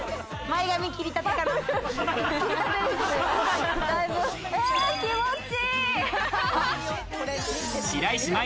前髪切りたてかな。